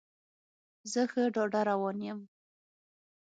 زه ښه ډاډه روان یم.